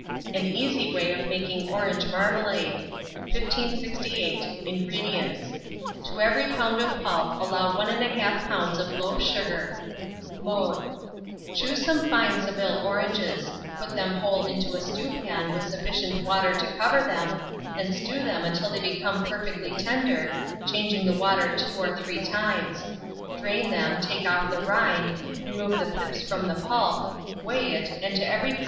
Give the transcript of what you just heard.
AN EASY WAY OF MAKING ORANGE MARMALADE. 1568. INGREDIENTS. To every lb. of pulp allow 1 1/2 lb. of loaf sugar. Mode. Choose some fine Seville oranges; put them whole into a stewpan with sufficient water to cover them, and stew them until they become perfectly tender, changing the water 2 or 3 times; drain them, take off the rind, remove the pips from the pulp, weigh it, and to every lb.